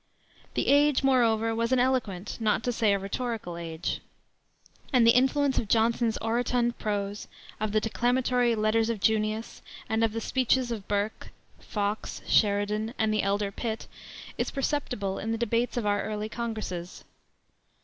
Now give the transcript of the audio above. The age, moreover, was an eloquent, not to say a rhetorical age; and the influence of Johnson's orotund prose, of the declamatory Letters of Junius, and of the speeches of Burke, Fox, Sheridan, and the elder Pitt is perceptible in the debates of our early congresses.